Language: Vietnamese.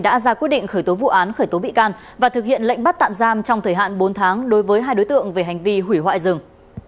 đã ra quyết định khởi tố vụ án khởi tố bị can và thực hiện lệnh bắt tạm giam trong thời hạn bốn tháng đối với hai đối tượng về hành vi hủy hoại rừng